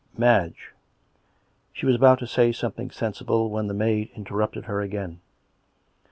" Madge " She was about to say something sensible when the maid interrupted her again.